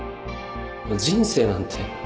人生なんて